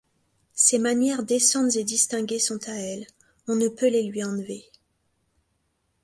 Ses manières décentes et distinguées sont à elle ; on ne peut les lui enlever.